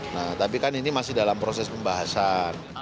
nah tapi kan ini masih dalam proses pembahasan